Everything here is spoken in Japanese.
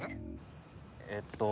えっと。